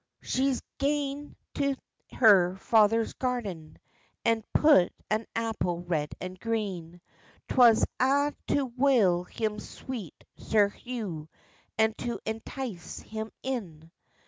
She's gane till her father's garden, And pu'd an apple red and green; 'Twas a' to wyle him sweet Sir Hugh, And to entice him in.